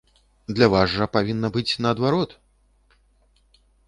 Для вас жа павінна быць наадварот?